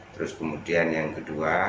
terus kemudian yang kedua